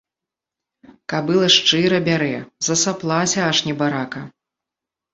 Кабыла шчыра бярэ, засаплася аж небарака.